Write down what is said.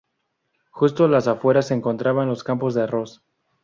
Justo a las afueras se encontraban los campos de arroz.